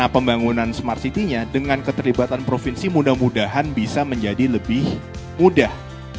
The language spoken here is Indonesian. pembangunan smart city nya dengan keterlibatan provinsi mudah mudahan bisa menjadi lebih mudah